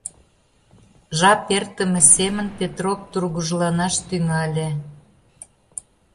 Жап эртыме семын Петроп тургыжланаш тӱҥале.